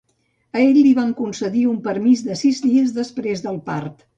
A ell li van concedir un permís de sis dies després del part.